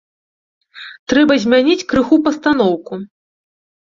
Трэба змяніць крыху пастаноўку.